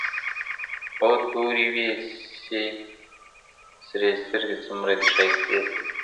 o تورې وي سي سرې سترگي، څومره دې ښايستې سترگي.